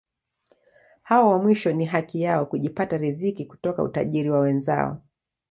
Hao wa mwisho ni haki yao kujipatia riziki kutoka utajiri wa wenzao.